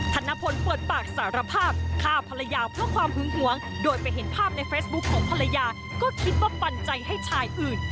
ธนพลเปิดปากสารภาพฆ่าภรรยาเพราะความหึงหวงโดยไปเห็นภาพในเฟซบุ๊คของภรรยาก็คิดว่าปันใจให้ชายอื่น